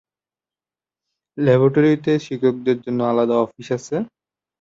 ল্যাবরেটরির শিক্ষকদের জন্য আলাদা অফিস আছে।